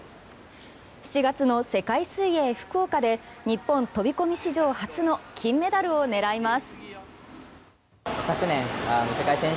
７月の世界水泳福岡で日本飛込史上初の金メダルを狙います。